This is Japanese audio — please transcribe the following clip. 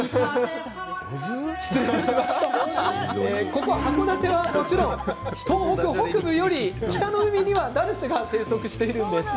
ここ函館はもちろん東北北部より北の海にはダルスが生息しているんです。